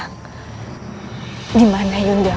dan mencari kemampuan untuk menjaga kemampuan kita